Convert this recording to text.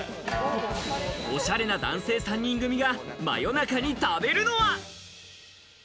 オシャレな男性３人組が真夜中に食べるのは。